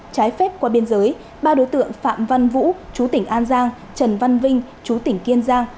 trái phép qua biên giới ba đối tượng phạm văn vũ chú tỉnh an giang trần văn vinh chú tỉnh kiên giang